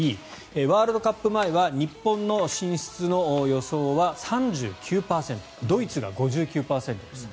ワールドカップ前は日本の進出の予想は３９％ドイツが５９％です。